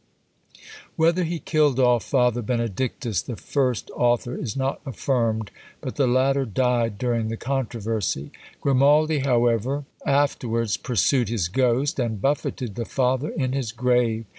Whether he killed off Father Benedictus, the first author, is not affirmed; but the latter died during the controversy. Grimaldi, however, afterwards pursued his ghost, and buffeted the father in his grave.